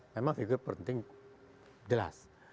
memang figur penting jelas